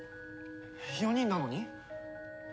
４人なのに？